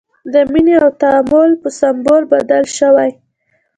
د مینې او تعامل په سمبول بدل شوی.